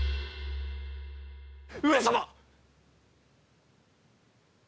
上様！